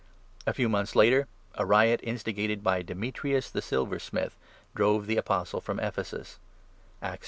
|A few months later, a riot instigated by Demetrius, the silversmith, drove the Apostle from Ephesus (Acts 19.